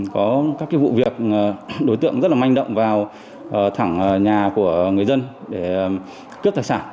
có các vụ việc đối tượng rất là manh động vào thẳng nhà của người dân để cướp tài sản